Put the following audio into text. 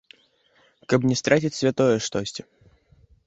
Каб не страціць святое штосьці.